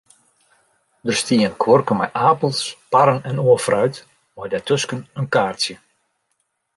Der stie in kuorke mei apels, parren en oar fruit, mei dêrtusken in kaartsje.